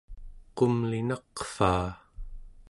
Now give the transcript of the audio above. qumlinaqvaa!